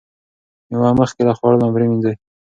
مېوه مخکې له خوړلو پریمنځئ.